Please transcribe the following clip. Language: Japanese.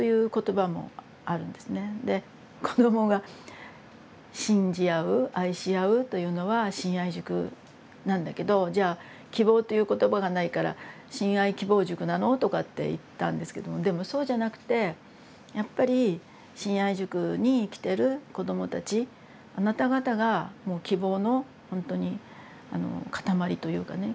で子どもが「信じ合う愛し合うというのは信愛塾なんだけどじゃあ希望という言葉がないから信愛希望塾なの？」とかって言ったんですけどもでもそうじゃなくてやっぱり信愛塾に来てる子どもたちあなた方がもう希望のほんとにあのかたまりというかね